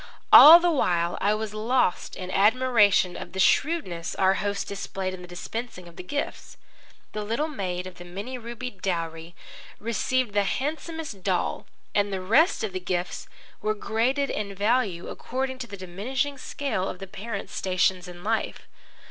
All the while I was quite lost in admiration of the shrewdness our host displayed in the dispensing of the gifts. The little maid of the many rubied dowry received the handsomest doll, and the rest of the gifts were graded in value according to the diminishing scale of the parents' stations in life.